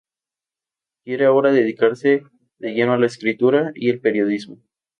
Quiere ahora dedicarse de lleno a la escritura y el periodismo.